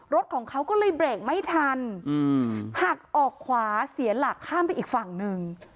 รถของเขาก็เลยเบรกไม่ทันหักออกขวาเสียหลักข้ามไปอีกฝั่งหนึ่ง